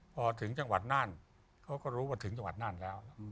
พอถึงจังหวัดน่านเขาก็รู้ว่าถึงจังหวัดน่านแล้ว